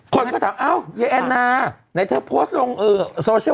คนก็ถามอ้าวยายแอนนาไหนเธอโพสต์ลงโซเชียล